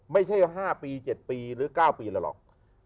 ไม่ใช่๕ปี๗ปีหรือ๙ปีแล้วหรอก